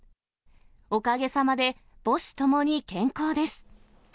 おかげさまで、母子ともに健康です。